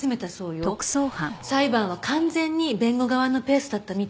裁判は完全に弁護側のペースだったみたい。